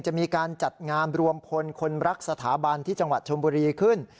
จะมีการจัดงานรวมพลคนรักสถาบันที่จังหวัดชมบุรีขึ้น